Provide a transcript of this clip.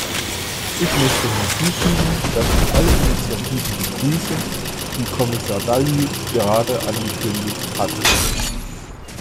Ich möchte hinzufügen, dass ich alle Initiativen begrüße, die Kommissar Dalli gerade angekündigt hat.